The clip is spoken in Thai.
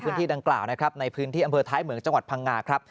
พื้นที่ดังกล่าวในพื้นที่อำเภอท้ายเหมืองจังหวัดพังงา